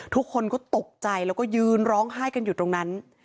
ทุกคนก็ตกใจแล้วก็ยืนร้องไห้กันอยู่ตรงนั้น